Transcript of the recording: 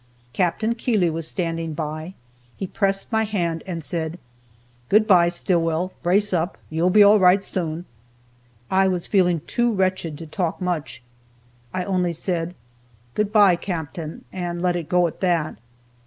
Capt. Keeley was standing by; he pressed my hand and said, "Good by, Stillwell; brace up! You'll be all right soon." I was feeling too wretched to talk much; I only said, "Good by, Captain," and let it go at that.